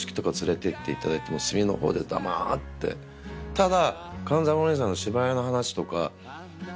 ただ。